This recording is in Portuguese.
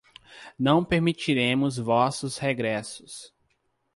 Não permitiremos vossos regressos